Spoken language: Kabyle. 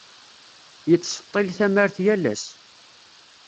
Yettseṭṭil tamar yal ass.